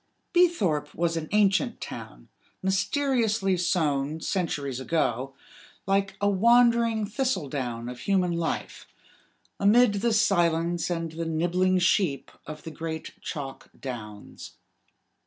Beethorpe was an ancient town, mysteriously sown, centuries ago, like a wandering thistle down of human life, amid the silence and the nibbling sheep of the great chalk downs.